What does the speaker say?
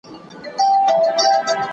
لوستونکي بايد د ژبې له سختۍ خلاص شي.